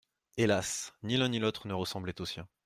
Hélas !… ni l'un ni l'autre ne ressemblait au sien.